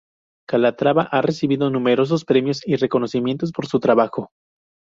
Calatrava ha recibido numerosos premios y reconocimientos por su trabajo.